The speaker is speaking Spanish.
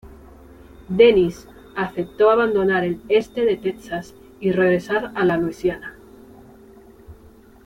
Denis aceptó abandonar el este de Texas y regresar a la Luisiana.